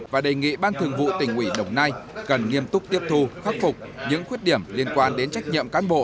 và đề nghị ban thường vụ tỉnh ủy đồng nai cần nghiêm túc tiếp thu khắc phục những khuyết điểm liên quan đến trách nhiệm cán bộ